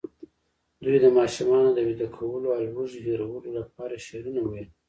دوی د ماشومانو د ویده کولو او لوږې هېرولو لپاره شعرونه ویل.